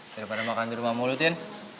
daripada makan di rumah mulu tin